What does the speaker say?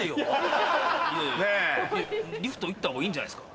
リフト行ったほうがいいんじゃないんっすか？